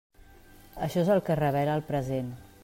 Això és el que revela el present.